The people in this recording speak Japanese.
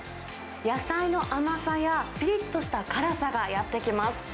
野菜の甘さやぴりっとした辛さがやって来ます。